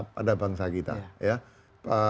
pada bangsa kita